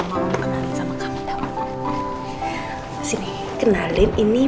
papah itu selalu agak nunggu